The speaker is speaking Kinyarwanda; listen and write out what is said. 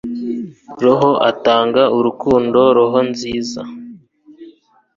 roho utanga urukundo, roho nziza